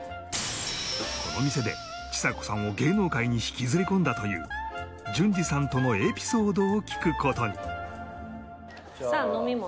この店でちさ子さんを芸能界に引きずり込んだという純次さんとのエピソードを聞く事にさあ飲み物。